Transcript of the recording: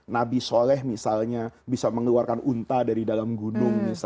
nabi soleh misalnya bisa mengeluarkan unta dari dalam gunung